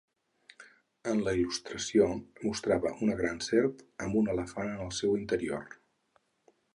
En la il·lustració mostrava una gran serp amb un elefant en el seu interior.